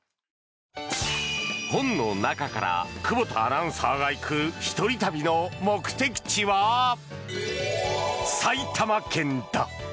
本の中から久保田アナウンサーが行く一人旅の目的地は埼玉県だ。